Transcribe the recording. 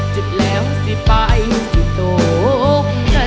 จุดแล้วสิไปที่ตกขสาม